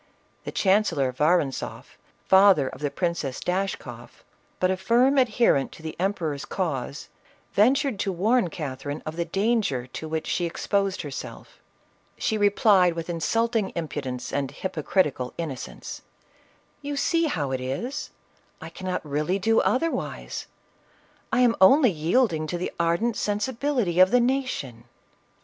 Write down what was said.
The chancellor Vorontzoflj father of the Princess Dash koff, but a firm adherent to the emperor's cause, ven tured to warn Catherine of the danger to which she exposed herself. She replied with insulting impudence and hypocritical innocence, "You see how it is; I really cannot do otherwise ; I am only yielding to the ardent sensibility of the nation